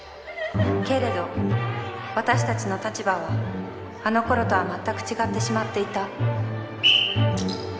けれど私たちの立場はあの頃とはまったく違ってしまっていた。